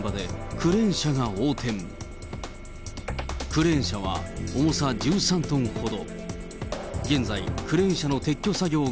クレーン車は重さ１３トンほど。